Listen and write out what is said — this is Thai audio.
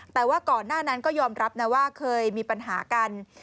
แต่ว่าก่อนหน้านั้นก็ยอมรับนะว่าเคยมีปัญหากัน